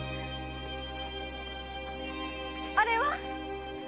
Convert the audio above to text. あれは？